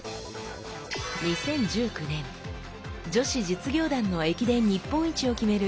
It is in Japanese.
２０１９年女子実業団の駅伝日本一を決める